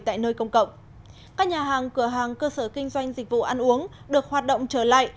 tại nơi công cộng các nhà hàng cửa hàng cơ sở kinh doanh dịch vụ ăn uống được hoạt động trở lại